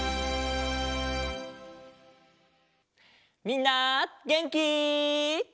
みんなげんき？